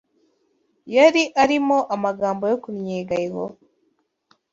Yari arimo amagambo yo kunnyega Yehova